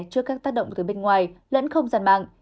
trước các tác động từ bên ngoài lẫn không gian mạng